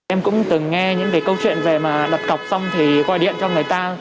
em cũng từng nghe những cái câu chuyện về mà đặt cọc xong thì gọi điện cho người ta